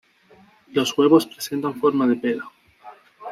Los huevos presentan forma de pera.